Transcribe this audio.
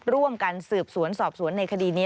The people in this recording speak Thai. ร่วมกันสืบสวนสอบสวนในคดีนี้